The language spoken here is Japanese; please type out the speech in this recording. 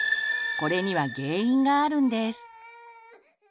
これには原因があるんです。